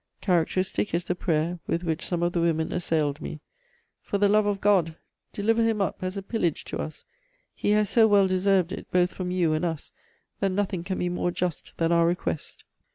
Characteristic is the prayer with which some of the women assailed me: "'For the love of God, deliver him up as a pillage to us! He has so well deserved it, both from you and us, that nothing can be more just than our request!'